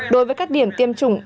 đối với các điểm tiêm chủng